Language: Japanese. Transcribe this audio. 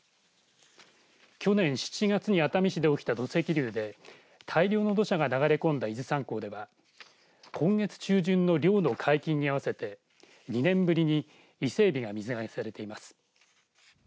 去年７月に熱海市で起きた土石流で大量の土砂が流れ込んだ伊豆山港では今月中旬の漁の解禁に合わせて２年ぶりに伊勢えびが水揚げされています。